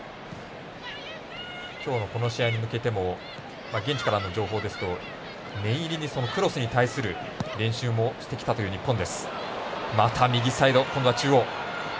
今日のこの試合に向けても現地からの情報ですと念入りにクロスに対する練習もしてきたという日本。